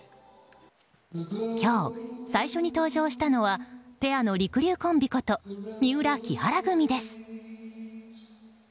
今日、最初に登場したのはペアのりくりゅうコンビこと三浦、木原組です。